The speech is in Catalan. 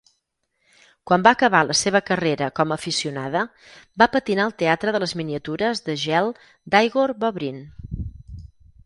Quan va acabar la seva carrera com a aficionada, va patinar al Teatre de les Miniatures de Gel d'Igor Bobrin.